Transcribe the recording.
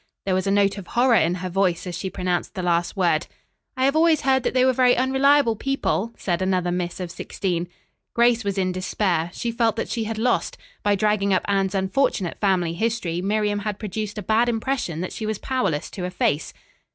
There was a note of horror in her voice as she pronounced the last word. "I have always heard that they were very unreliable people," said another miss of sixteen. Grace was in despair. She felt that she had lost. By dragging up Anne's unfortunate family history, Miriam had produced a bad impression that she was powerless to efface.